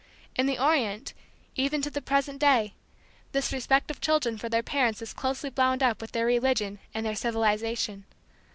In the Orient, even to the present day, this respect of children for their parents is closely bound up with their religion and their civilization.